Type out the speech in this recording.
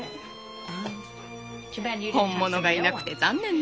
本物がいなくて残念ね。